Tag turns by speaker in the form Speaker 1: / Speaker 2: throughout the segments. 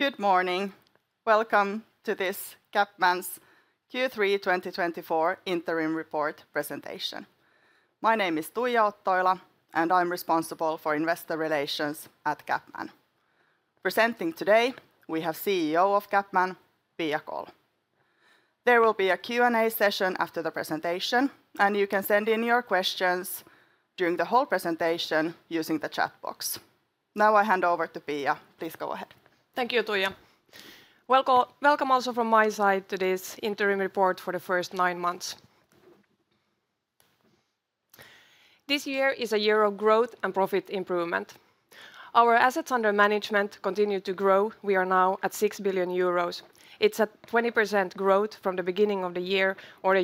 Speaker 1: Good morning. Welcome to this CapMan's Q3 2024 Interim Report presentation. My name is Tuija Ottoila, and I'm responsible for investor relations at CapMan. Presenting today, we have CEO of CapMan, Pia Kåll. There will be a Q&A session after the presentation, and you can send in your questions during the whole presentation using the chat box. Now I hand over to Pia. Please go ahead.
Speaker 2: Thank you, Tuija. Welcome also from my side to this Interim Report for the first nine months. This year is a year of growth and profit improvement. Our assets under management continue to grow. We are now at 6 billion euros. It's a 20% growth from the beginning of the year or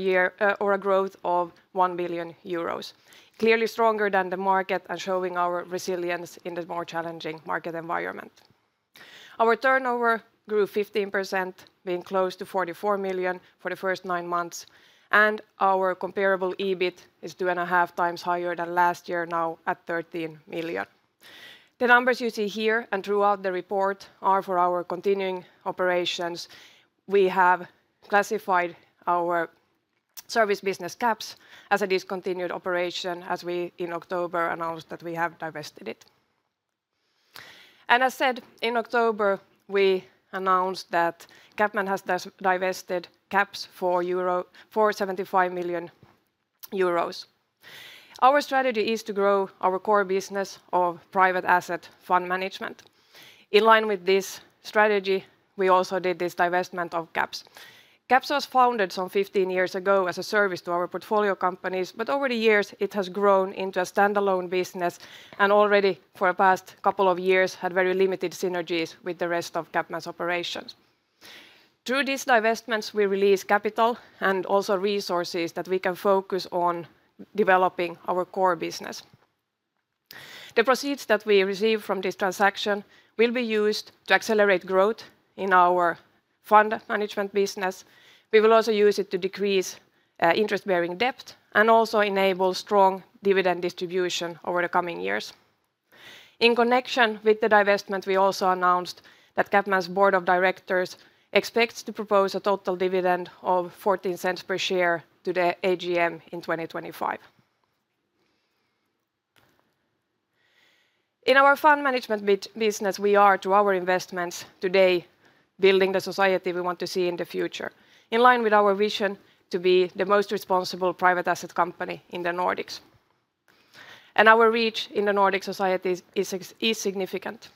Speaker 2: a growth of 1 billion euros. Clearly stronger than the market and showing our resilience in the more challenging market environment. Our turnover grew 15%, being close to 44 million for the first nine months, and our comparable EBIT is two and a half times higher than last year, now at 13 million. The numbers you see here and throughout the report are for our continuing operations. We have classified our service business CaPS as a discontinued operation, as we in October announced that we have divested it. As said in October, we announced that CapMan has divested CaPS for 75 million euros. Our strategy is to grow our core business of private asset fund management. In line with this strategy, we also did this divestment of CaPS. CaPS was founded some 15 years ago as a service to our portfolio companies, but over the years it has grown into a standalone business and already for the past couple of years had very limited synergies with the rest of CapMan's operations. Through these divestments, we release capital and also resources that we can focus on developing our core business. The proceeds that we receive from this transaction will be used to accelerate growth in our fund management business. We will also use it to decrease interest-bearing debt and also enable strong dividend distribution over the coming years. In connection with the divestment, we also announced that CapMan's board of directors expects to propose a total dividend of 0.14 per share to the AGM in 2025. In our fund management business, we are through our investments today building the society we want to see in the future, in line with our vision to be the most responsible private asset company in the Nordics. Our reach in the Nordic society is significant.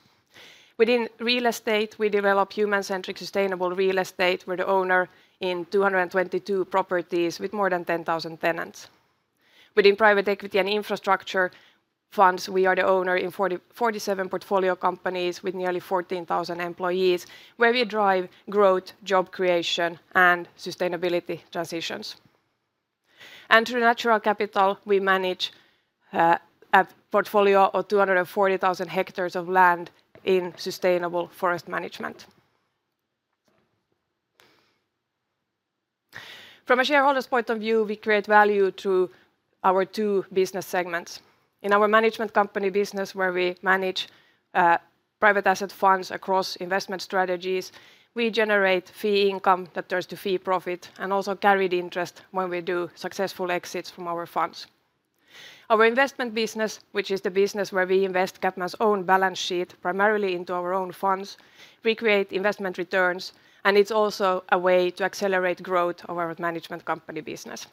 Speaker 2: Within real estate, we develop human-centric sustainable real estate where we are the owner in 222 properties with more than 10,000 tenants. Within private equity and infrastructure funds, we are the owner in 47 portfolio companies with nearly 14,000 employees where we drive growth, job creation, and sustainability transitions. Through natural capital, we manage a portfolio of 240,000 hectares of land in sustainable forest management. From a shareholder's point of view, we create value to our two business segments. In our management company business, where we manage private asset funds across investment strategies, we generate fee income that turns to fee profit and also carried interest when we do successful exits from our funds. Our investment business, which is the business where we invest CapMan's own balance sheet primarily into our own funds, we create investment returns, and it's also a way to accelerate growth of our management company business.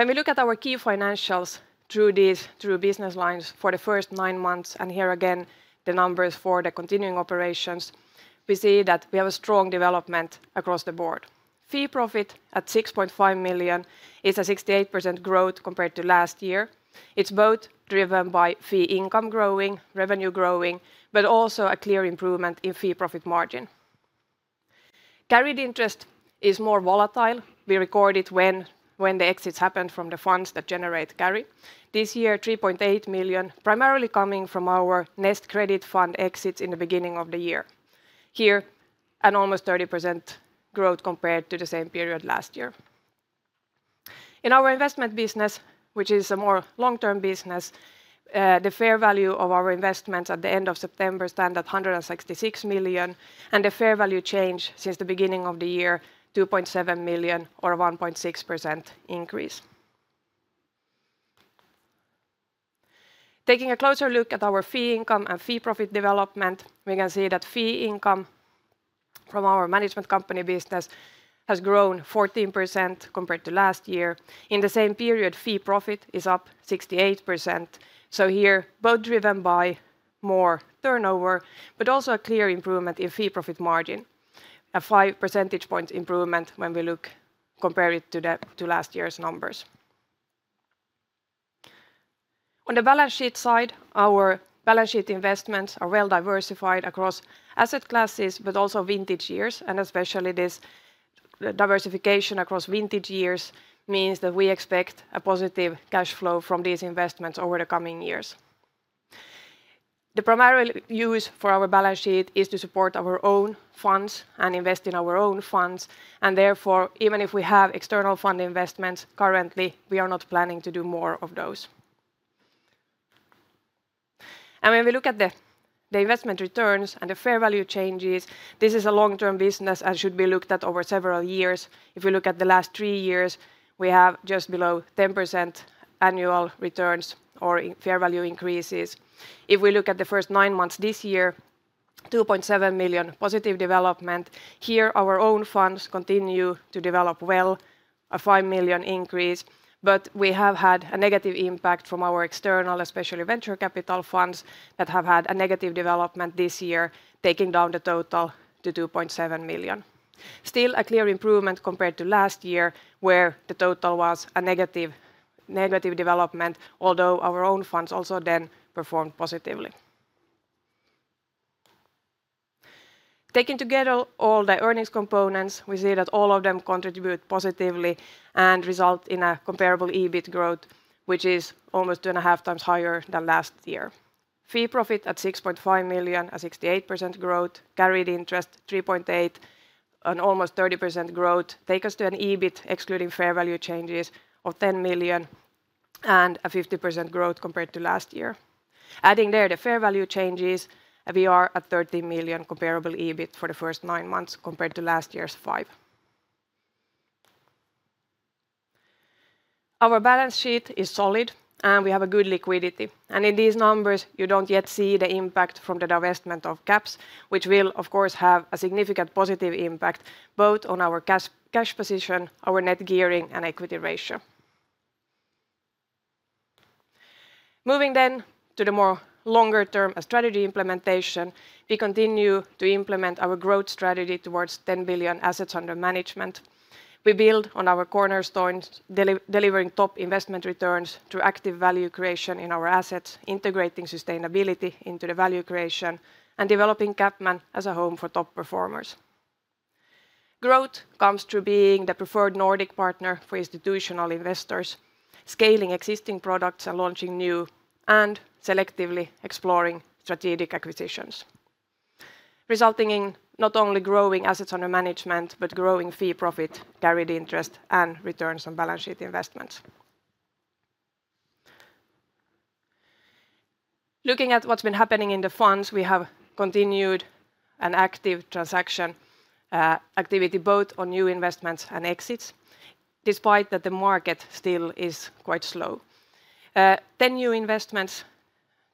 Speaker 2: When we look at our key financials through these business lines for the first nine months, and here again the numbers for the continuing operations, we see that we have a strong development across the board. Fee profit at 6.5 million is a 68% growth compared to last year. It's both driven by fee income growing, revenue growing, but also a clear improvement in fee profit margin. Carried interest is more volatile. We record it when the exits happen from the funds that generate carry. This year, 3.8 million, primarily coming from our Nest Credit fund exits in the beginning of the year. Here, an almost 30% growth compared to the same period last year. In our investment business, which is a more long-term business, the fair value of our investments at the end of September stands at 166 million, and the fair value changed since the beginning of the year, 2.7 million or a 1.6% increase. Taking a closer look at our fee income and fee profit development, we can see that fee income from our management company business has grown 14% compared to last year. In the same period, fee profit is up 68%. So here, both driven by more turnover, but also a clear improvement in fee profit margin, a five percentage points improvement when we look compared to last year's numbers. On the balance sheet side, our balance sheet investments are well diversified across asset classes, but also vintage years, and especially this diversification across vintage years means that we expect a positive cash flow from these investments over the coming years. The primary use for our balance sheet is to support our own funds and invest in our own funds, and therefore, even if we have external fund investments currently, we are not planning to do more of those. And when we look at the investment returns and the fair value changes, this is a long-term business and should be looked at over several years. If we look at the last three years, we have just below 10% annual returns or fair value increases. If we look at the first nine months this year, 2.7 million positive development. Here, our own funds continue to develop well, a 5 million increase, but we have had a negative impact from our external, especially venture capital funds that have had a negative development this year, taking down the total to 2.7 million. Still a clear improvement compared to last year where the total was a negative development, although our own funds also then performed positively. Taking together all the earnings components, we see that all of them contribute positively and result in a comparable EBIT growth, which is almost two and a half times higher than last year. Fee profit at 6.5 million, a 68% growth, carried interest 3.8 million, an almost 30% growth takes us to an EBIT excluding fair value changes of 10 million and a 50% growth compared to last year. Adding there the fair value changes, we are at 13 million comparable EBIT for the first nine months compared to last year's five. Our balance sheet is solid and we have a good liquidity. And in these numbers, you don't yet see the impact from the divestment of CaPS, which will, of course, have a significant positive impact both on our cash position, our net gearing, and equity ratio. Moving then to the more longer-term strategy implementation, we continue to implement our growth strategy towards 10 billion assets under management. We build on our cornerstones delivering top investment returns through active value creation in our assets, integrating sustainability into the value creation, and developing CapMan as a home for top performers. Growth comes through being the preferred Nordic partner for institutional investors, scaling existing products and launching new, and selectively exploring strategic acquisitions, resulting in not only growing assets under management, but growing fee profit, carried interest, and returns on balance sheet investments. Looking at what's been happening in the funds, we have continued an active transaction activity both on new investments and exits, despite that the market still is quite slow. 10 new investments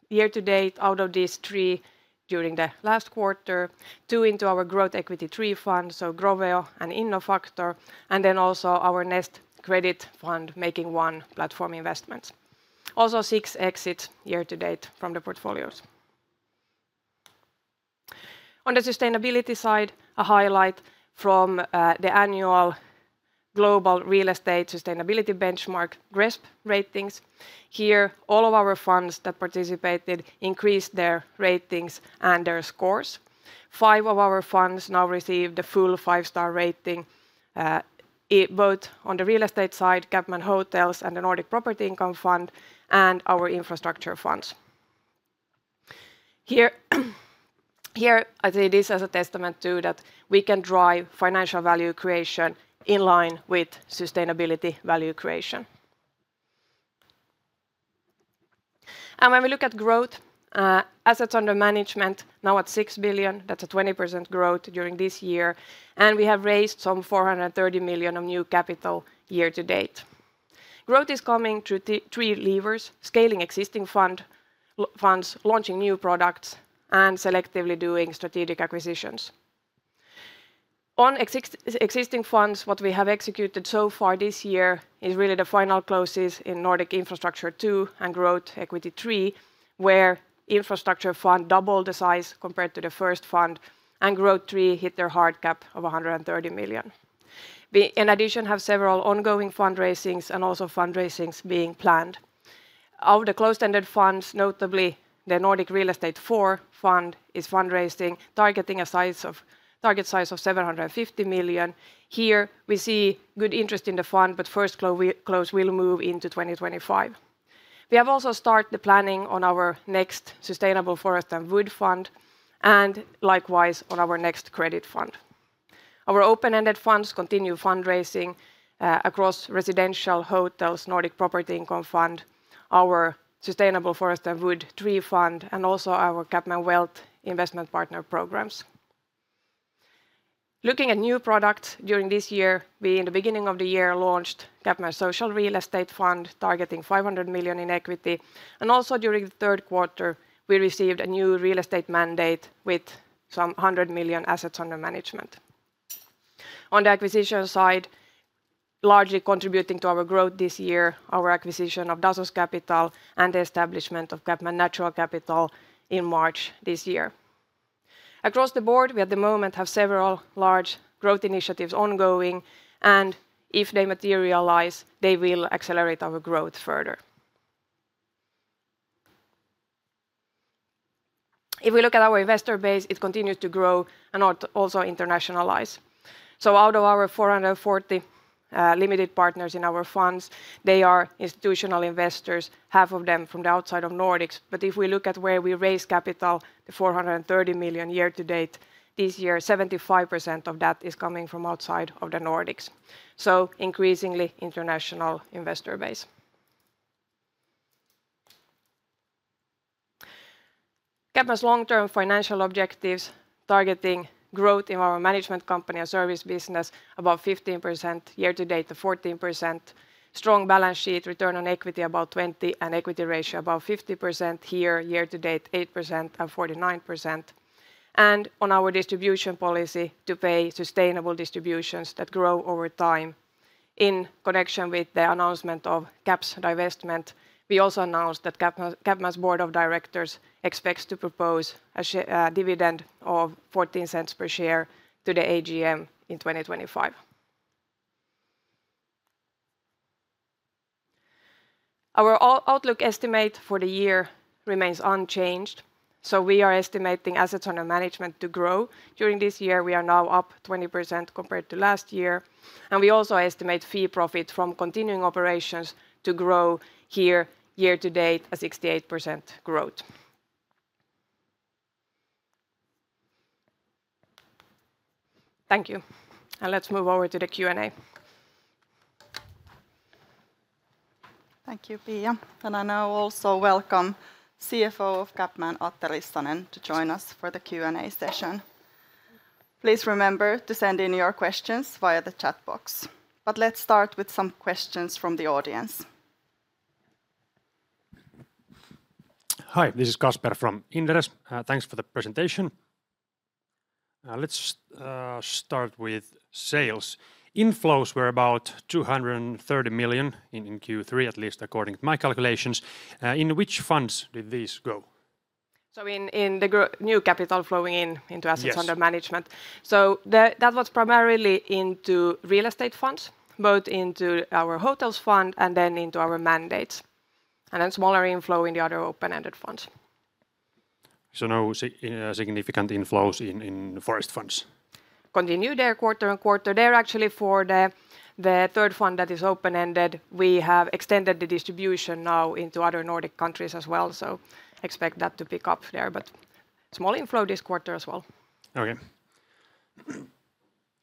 Speaker 2: year to date out of these 3 during the last quarter, 2 into our Growth Equity III Fund, so Gubbe and Innofactor, and then also our Nest Credit Fund making 1 platform investments. Also 6 exits year to date from the portfolios. On the sustainability side, a highlight from the annual Global Real Estate Sustainability Benchmark GRESB ratings. Here, all of our funds that participated increased their ratings and their scores. Five of our funds now receive the full five-star rating, both on the real estate side, CapMan Hotels and the Nordic Property Income Fund, and our infrastructure funds. Here I see this as a testament to that we can drive financial value creation in line with sustainability value creation, and when we look at growth, assets under management now at 6 billion, that's a 20% growth during this year, and we have raised some 430 million of new capital year to date. Growth is coming through three levers: scaling existing funds, launching new products, and selectively doing strategic acquisitions. On existing funds, what we have executed so far this year is really the final closes in Nordic Infrastructure II and Growth Equity III, where Infrastructure Fund doubled the size compared to the first fund, and Growth III hit their hard cap of 130 million. We in addition have several ongoing fundraisings and also fundraisings being planned. Of the closed-ended funds, notably the Nordic Real Estate IV fund is fundraising, targeting a size of 750 million. Here we see good interest in the fund, but first close will move into 2025. We have also started the planning on our next Sustainable Forest and Wood Fund and likewise on our next Credit Fund. Our open-ended funds continue fundraising across residential hotels, Nordic Property Income Fund, our Sustainable Forest and Wood III Fund, and also our CapMan Wealth Investment Partner programs. Looking at new products during this year, we in the beginning of the year launched CapMan Social Real Estate Fund targeting 500 million in equity, and also during the third quarter, we received a new real estate mandate with some 100 million assets under management. On the acquisition side, largely contributing to our growth this year, our acquisition of Dasos Capital and the establishment of CapMan Natural Capital in March this year. Across the board, we at the moment have several large growth initiatives ongoing, and if they materialize, they will accelerate our growth further. If we look at our investor base, it continues to grow and also internationalize. Out of our 440 limited partners in our funds, they are institutional investors, half of them from outside of the Nordics, but if we look at where we raise capital, the 430 million year-to-date, this year 75% of that is coming from outside of the Nordics. Increasingly international investor base. CapMan's long-term financial objectives targeting growth in our management company and service business about 15% year-to-date to 14%, strong balance sheet return on equity about 20% and equity ratio about 50% here, year-to-date 8% and 49%. Our distribution policy to pay sustainable distributions that grow over time. In connection with the announcement of CaPS's divestment, we also announced that CapMan's board of directors expects to propose a dividend of 0.14 per share to the AGM in 2025. Our outlook estimate for the year remains unchanged, so we are estimating assets under management to grow during this year. We are now up 20% compared to last year, and we also estimate fee profit from continuing operations to grow here year to date, a 68% growth. Thank you, and let's move over to the Q&A.
Speaker 1: Thank you, Pia. I now also welcome CFO of CapMan, Atte Rissanen, to join us for the Q&A session. Please remember to send in your questions via the chat box. Let's start with some questions from the audience.
Speaker 3: Hi, this is Kasper from Inderes. Thanks for the presentation. Let's start with sales. Inflows were about 230 million in Q3, at least according to my calculations. In which funds did these go?
Speaker 2: So in the new capital flowing into assets under management. So that was primarily into real estate funds, both into our hotels fund and then into our mandates. And then smaller inflow in the other open-ended funds. So no significant inflows in forest funds. Continued there quarter on quarter. There, actually, for the third fund that is open-ended, we have extended the distribution now into other Nordic countries as well. So expect that to pick up there, but small inflow this quarter as well.
Speaker 3: Okay.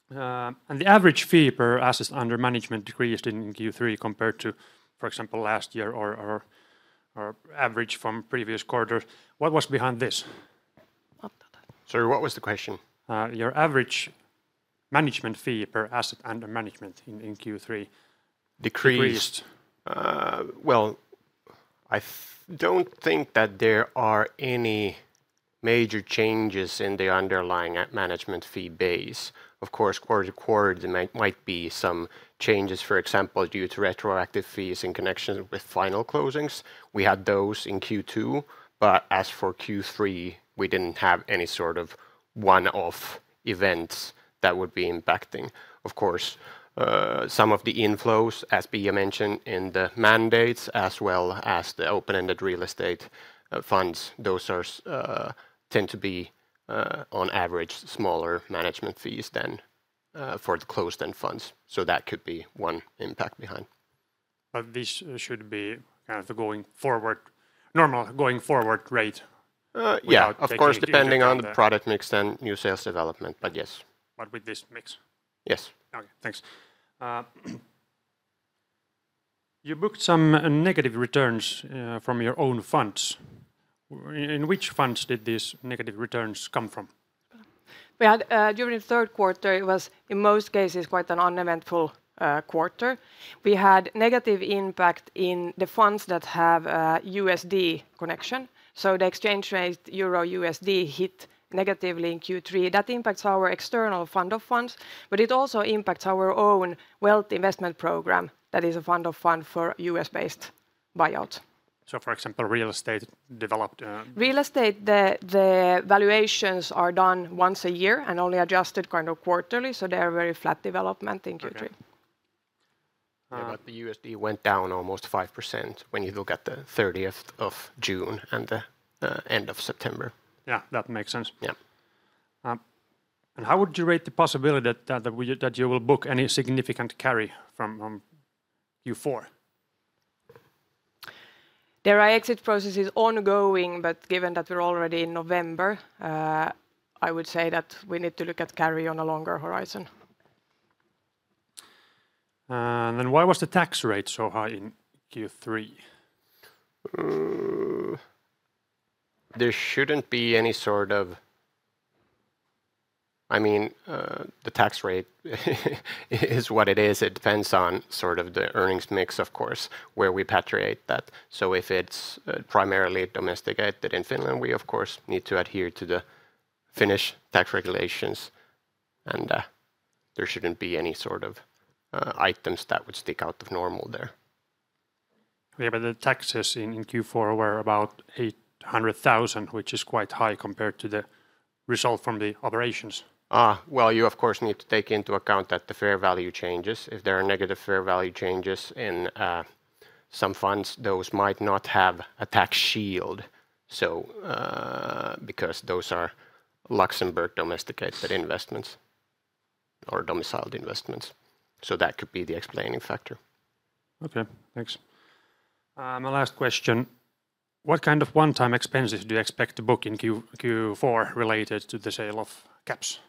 Speaker 3: And the average fee per assets under management decreased in Q3 compared to, for example, last year or average from previous quarters. What was behind this?
Speaker 4: Sorry, what was the question?
Speaker 3: Your average management fee per assets under management in Q3 decreased.
Speaker 4: Well, I don't think that there are any major changes in the underlying management fee base. Of course, quarter to quarter there might be some changes, for example, due to retroactive fees in connection with final closings. We had those in Q2, but as for Q3, we didn't have any sort of one-off events that would be impacting. Of course, some of the inflows, as Pia mentioned, in the mandates as well as the open-ended real estate funds, those tend to be on average smaller management fees than for the closed-end funds. So that could be one impact behind.
Speaker 3: But this should be kind of the going forward, normal going forward rate.
Speaker 4: Yeah, of course, depending on the product mix and new sales development, but yes.
Speaker 3: But with this mix?
Speaker 4: Yes.
Speaker 3: Okay, thanks. You booked some negative returns from your own funds. In which funds did these negative returns come from?
Speaker 2: During the third quarter, it was in most cases quite an uneventful quarter. We had negative impact in the funds that have a USD connection. So the exchange rate euro USD hit negatively in Q3. That impacts our external fund of funds, but it also impacts our own wealth investment program that is a fund of funds for US-based buyouts. So for example, real estate developed? Real estate, the valuations are done once a year and only adjusted kind of quarterly, so they are very flat development in Q3.
Speaker 4: But the USD went down almost 5% when you look at the 30th of June and the end of September.
Speaker 3: Yeah, that makes sense.
Speaker 4: Yeah.
Speaker 3: And how would you rate the possibility that you will book any significant carry from Q4?
Speaker 2: There are exit processes ongoing, but given that we're already in November, I would say that we need to look at carry on a longer horizon.
Speaker 3: Why was the tax rate so high in Q3?
Speaker 4: There shouldn't be any sort of, I mean, the tax rate is what it is. It depends on sort of the earnings mix, of course, where we repatriate that. So if it's primarily domiciled in Finland, we of course need to adhere to the Finnish tax regulations, and there shouldn't be any sort of items that would stick out of normal there.
Speaker 3: Yeah, but the taxes in Q4 were about 800,000, which is quite high compared to the result from the operations.
Speaker 4: You of course need to take into account that the fair value changes. If there are negative fair value changes in some funds, those might not have a tax shield, because those are Luxembourg domiciled investments or domiciled investments. So that could be the explaining factor.
Speaker 3: Okay, thanks. My last question. What kind of one-time expenses do you expect to book in Q4 related to the sale of CaPS?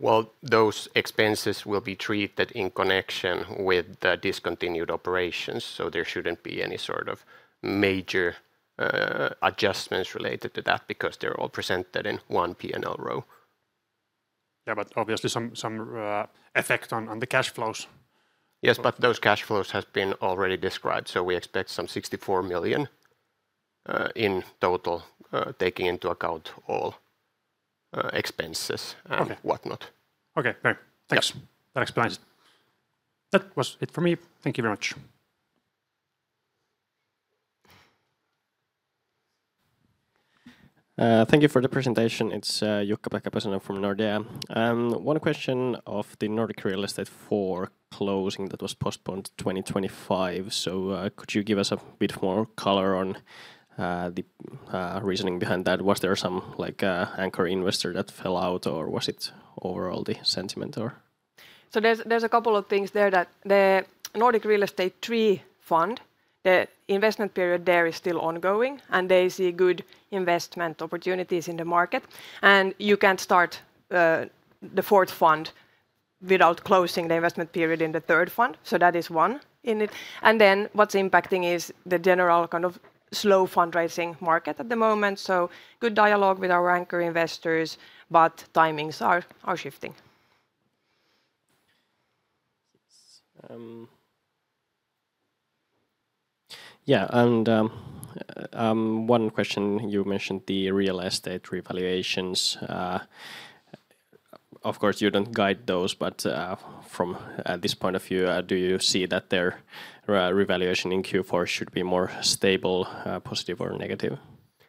Speaker 4: Well, those expenses will be treated in connection with the discontinued operations, so there shouldn't be any sort of major adjustments related to that because they're all presented in one P&L row.
Speaker 3: Yeah, but obviously some effect on the cash flows.
Speaker 4: Yes, but those cash flows have been already described, so we expect some 64 million in total taking into account all expenses and whatnot. Okay, thanks. That explains it. That was it for me. Thank you very much.
Speaker 5: Thank you for the presentation. It's Joni Pääkkö from Nordea. One question on the Nordic Real Estate fund closing that was postponed to 2025. So could you give us a bit more color on the reasoning behind that? Was there some anchor investor that fell out, or was it overall the sentiment?
Speaker 2: So there's a couple of things there that the Nordic Real Estate III fund, the investment period there is still ongoing, and they see good investment opportunities in the market. And you can't start the fourth fund without closing the investment period in the third fund, so that is one in it. And then what's impacting is the general kind of slow fundraising market at the moment. So good dialogue with our anchor investors, but timings are shifting.
Speaker 5: Yeah, and one question, you mentioned the real estate revaluations. Of course, you don't guide those, but from this point of view, do you see that their revaluation in Q4 should be more stable, positive or negative?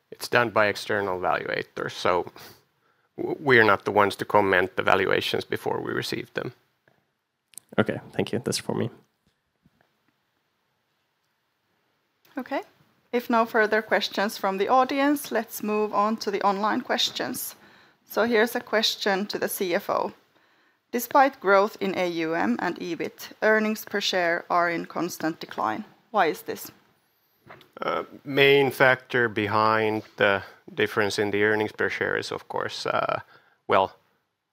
Speaker 4: It's done by external valuators, so we are not the ones to comment the valuations before we receive them.
Speaker 5: Okay, thank you. That's for me.
Speaker 1: Okay, if no further questions from the audience, let's move on to the online questions. So here's a question to the CFO. Despite growth in AUM and EBIT, earnings per share are in constant decline. Why is this?
Speaker 4: The main factor behind the difference in the earnings per share is, of course, well,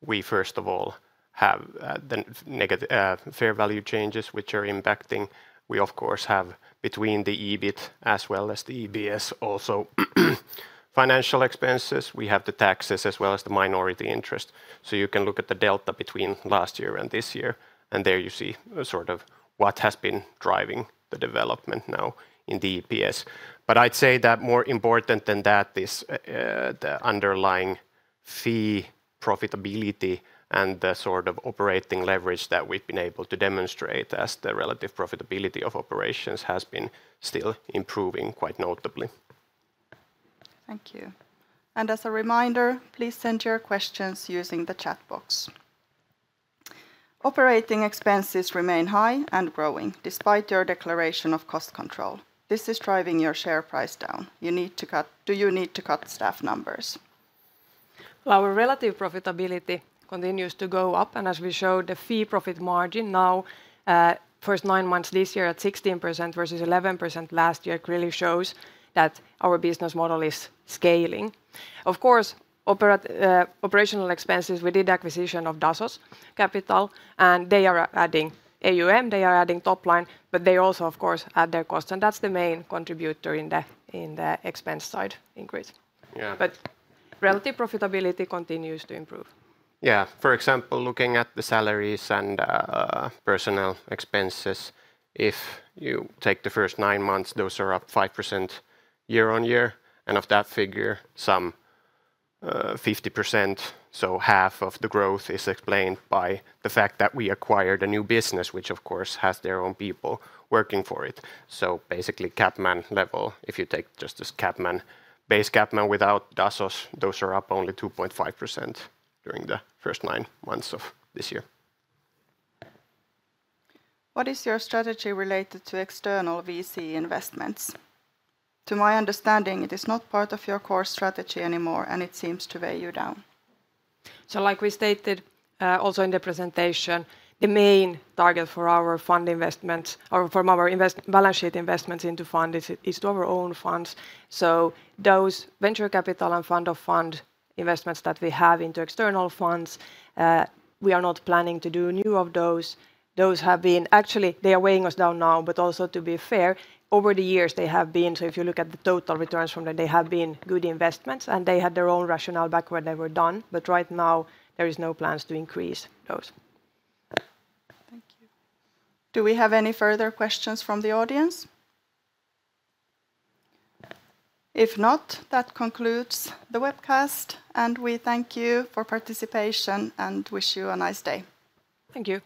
Speaker 4: we first of all have the fair value changes which are impacting. We, of course, have between the EBIT as well as the EPS also financial expenses. We have the taxes as well as the minority interest. So you can look at the delta between last year and this year, and there you see sort of what has been driving the development now in the EPS. I'd say that more important than that is the underlying fee profitability and the sort of operating leverage that we've been able to demonstrate as the relative profitability of operations has been still improving quite notably.
Speaker 1: Thank you. As a reminder, please send your questions using the chat box. Operating expenses remain high and growing despite your declaration of cost control. This is driving your share price down. Do you need to cut staff numbers?
Speaker 2: Our relative profitability continues to go up, and as we showed the fee profit margin now, first nine months this year at 16% versus 11% last year really shows that our business model is scaling. Of course, operational expenses, we did acquisition of Dasos Capital, and they are adding AUM, and they are adding top line, but they also, of course, add their costs, and that's the main contributor in the expense side increase. But relative profitability continues to improve.
Speaker 4: Yeah, for example, looking at the salaries and personnel expenses, if you take the first nine months, those are up 5% year on year, and of that figure, some 50%, so half of the growth is explained by the fact that we acquired a new business, which of course has their own people working for it. So basically CapMan level, if you take just this CapMan, base CapMan without Dasos, those are up only 2.5% during the first nine months of this year.
Speaker 1: What is your strategy related to external VC investments? To my understanding, it is not part of your core strategy anymore, and it seems to weigh you down.
Speaker 2: So like we stated also in the presentation, the main target for our fund investments or from our balance sheet investments into funds is to our own funds. So, those venture capital and fund of fund investments that we have into external funds, we are not planning to do new of those. Those have been actually; they are weighing us down now, but also to be fair, over the years they have been, so if you look at the total returns from them, they have been good investments, and they had their own rationale back when they were done, but right now there are no plans to increase those.
Speaker 1: Thank you. Do we have any further questions from the audience? If not, that concludes the webcast, and we thank you for participation and wish you a nice day.
Speaker 2: Thank you.